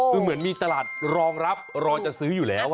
คือเหมือนมีตลาดรองรับรอจะซื้ออยู่แล้ว